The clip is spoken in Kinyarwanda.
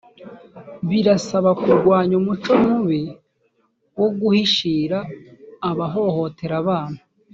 birasaba kurwanya umuco mubi wo guhishira abahohotera abana